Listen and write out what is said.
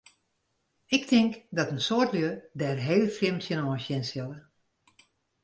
Ik tink dat in soad lju dêr heel frjemd tsjinoan sjen sille.